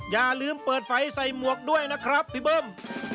อย่าลืมเปิดไฟใส่หมวกด้วยนะครับพี่เบิ้ม